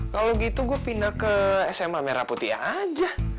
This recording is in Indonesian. kalau gitu gue pindah ke sma merah putih aja